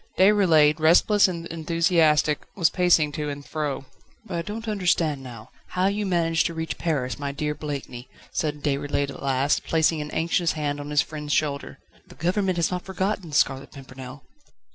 Déroulède, restless and enthusiastic, was pacing to and fro. "But I don't understand now, how you managed to reach Paris, my dear Blakeney!" said Déroulède at last, placing an anxious hand on his friend's shoulder. "The government has not forgotten The Scarlet Pimpernel."